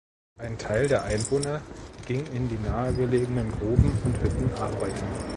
Ein Teil der Einwohner ging in die nahegelegenen Gruben und Hütten arbeiten.